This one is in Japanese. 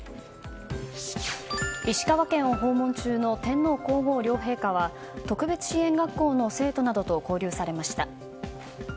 石川県を訪問中の天皇・皇后両陛下は特別支援学校の生徒などと交流されました。